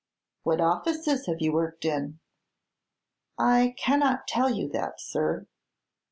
"What offices have you worked in?" "I cannot tell you that, sir."